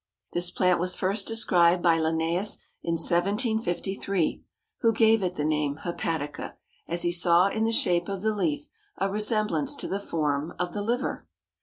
This plant was first described by Linnæus in 1753, who gave it the name Hepatica, as he saw in the shape of the leaf a resemblance to the form of the liver.